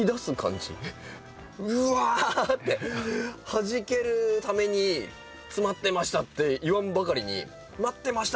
はじけるために詰まってましたって言わんばかりに待ってました！